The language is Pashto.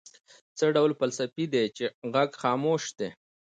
څه ډول فلاسفې دي چې غږ خاموش دی.